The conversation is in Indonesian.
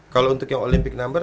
kalau untuk yang olympic number